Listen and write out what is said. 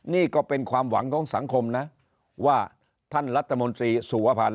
นี่ก็เป็นความหวังของสังคมนะว่าท่านรัฐมนตรีสุวพันธ์